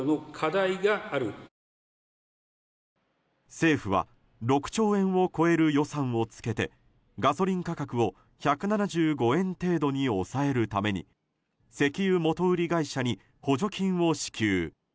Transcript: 政府は６兆円を超える予算をつけてガソリン価格を１７５円程度に抑えるために石油元売り会社に補助金を支給。